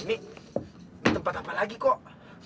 ini tempat apa lagi kok